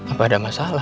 apa ada masalah